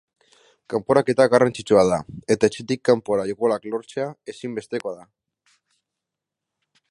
Kanporaketa garrantzitsua da eta etxetik kanpora golak lortzea ezinbestekoa da.